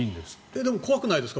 でも怖くないですか。